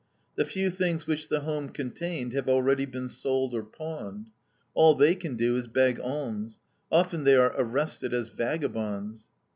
The few things which the home contained have already been sold or pawned. All they can do is beg alms; often they are arrested as vagabonds.